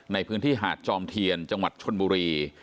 ในพื้นที่หาดจอมเทียนจังหวัดชนบุรี